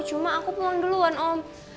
cuma aku pulang duluan om